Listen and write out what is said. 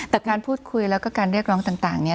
แต่การพูดคุยแล้วก็การเรียกร้องต่างเนี่ย